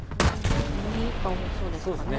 曇りが多そうですね。